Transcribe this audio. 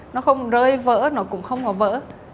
nó không rơi vỡ nó cũng không có vỡ